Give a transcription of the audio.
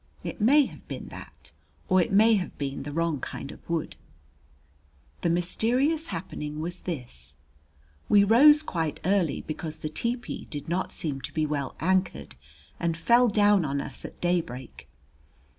It may have been that, or it may have been the wrong kind of wood. The mysterious happening was this: We rose quite early because the tepee did not seem to be well anchored and fell down on us at daybreak.